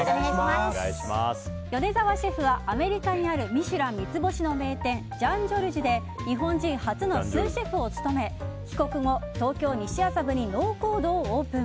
米澤シェフはアメリカにある「ミシュラン」三つ星の名店ジャン・ジョルジュで日本人初のスーシェフを務め帰国後、東京・西麻布にＮｏＣｏｄｅをオープン。